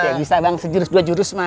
ya bisa bang sejurus dua jurus mah